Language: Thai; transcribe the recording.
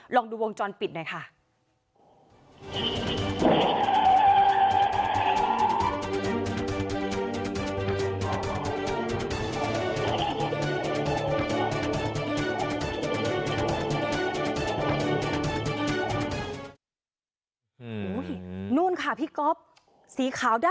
ลองดูวงจรปิดหน่อยค่ะ